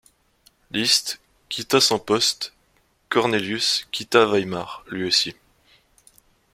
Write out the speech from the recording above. Liszt quitta son poste, Cornelius quitta Weimar lui aussi.